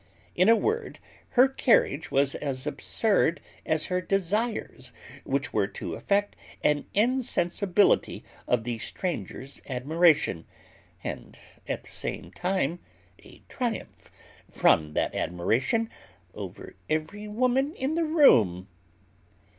In a word, her carriage was as absurd as her desires, which were to affect an insensibility of the stranger's admiration, and at the same time a triumph, from that admiration, over every woman in the room.